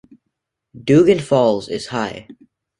Dougan Falls is high.